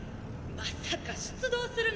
まさか出動するなんて！」